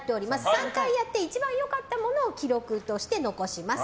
３回やって一番良かったものを記録として残します。